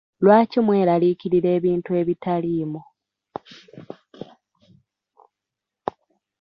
Lwaki mweraliikirira ebintu ebitaliimu.